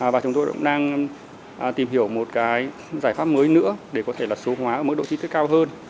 và chúng tôi cũng đang tìm hiểu một cái giải pháp mới nữa để có thể là số hóa ở mức độ chi thức cao hơn